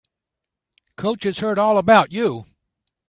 Coach has heard all about you.